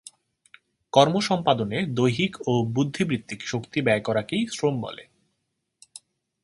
কর্ম সম্পাদনে দৈহিক ও বুদ্ধিবৃত্তিক শক্তি ব্যয় করাকেই শ্রম বলে।